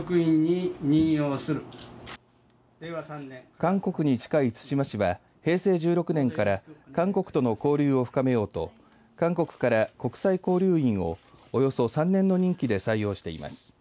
韓国に近い対馬市は平成１６年から韓国との交流を深めようと韓国から国際交流員をおよそ３年の任期で採用しています。